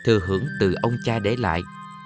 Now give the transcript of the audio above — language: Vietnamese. bà thừa hưởng từ ông cha để lại